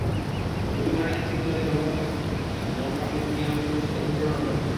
দুটি মনের আত্মিক মিলনই ভালোবাসামন পাগলি তুমি আমার জীবনে এসেছ অনুপ্রেরণা হয়ে।